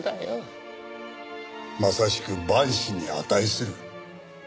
まさしく万死に値する。